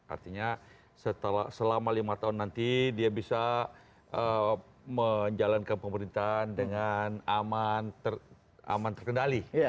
artinya selama lima tahun nanti dia bisa menjalankan pemerintahan dengan aman terkendali